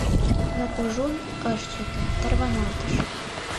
Но кужун ыш чыте, тарваналтыш.